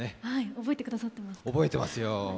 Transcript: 覚えてますよ。